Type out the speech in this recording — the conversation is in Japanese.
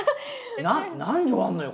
何畳あんのよ？